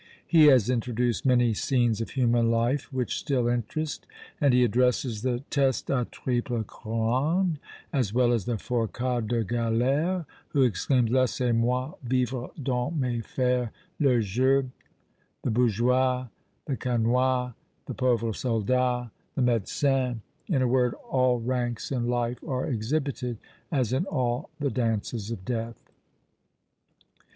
He has introduced many scenes of human life which still interest, and he addresses the "teste à triple couronne," as well as the "forçat de galère," who exclaims, "Laissez moi vivre dans mes fers," "le gueux," the "bourgeois," the "chanoine," the "pauvre soldat," the "médecin;" in a word, all ranks in life are exhibited, as in all the "Dances of Death."